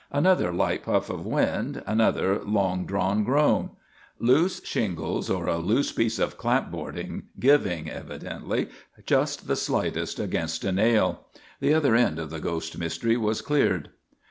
Another light puff of wind, another long drawn groan loose shingles, or a loose piece of clapboarding, giving, evidently, just the slightest against a nail. The other end of the ghost mystery was cleared.